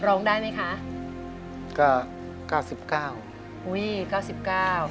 ร้องได้ไหมคะเก้าเก้าสิบเก้าอุ้ยเก้าสิบเก้า